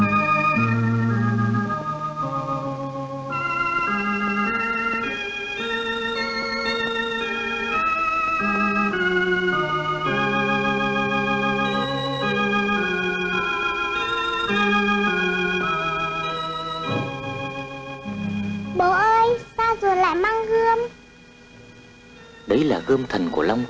xuống đây con